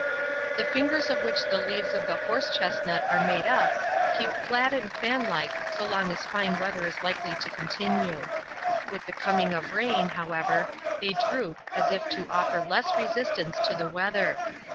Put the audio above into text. The fingers of which the leaves of the horse chestnut are made up keep flat and fanlike so long as fine weather is likely to continue. With the coming of rain, however, they droop, as if to offer less resistance to the weather.